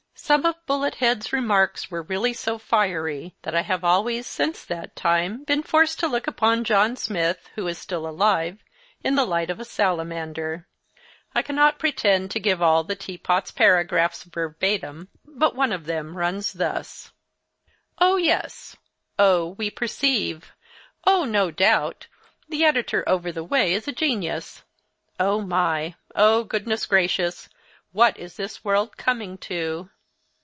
Some of Bullet head's remarks were really so fiery that I have always, since that time, been forced to look upon John Smith, who is still alive, in the light of a salamander. I cannot pretend to give all the 'Tea Pot's' paragraphs verbatim, but one of them runs thus: 'Oh, yes!—Oh, we perceive! Oh, no doubt! The editor over the way is a genius—O, my! Oh, goodness, gracious!—what is this world coming to?